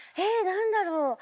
え何だろう？